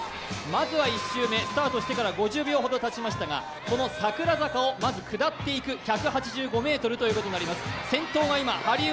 まずは１周目、スタートしてから５０秒ほどたちましたが桜坂をまず下っていく１８５ｍということになります。